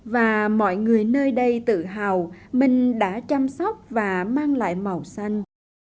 và mọi người nơi đây tự hào mình đã chăm sóc và mang lại màu xanh